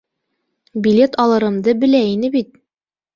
Билет алырымды белә ине бит...